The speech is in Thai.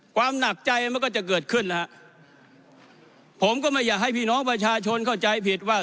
หนักใจมันก็จะเกิดขึ้นนะฮะผมก็ไม่อยากให้พี่น้องประชาชนเข้าใจผิดว่า